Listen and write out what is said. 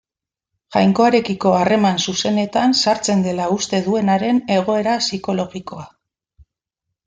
Jainkoarekiko harreman zuzenetan sartzen dela uste duenaren egoera psikologikoa.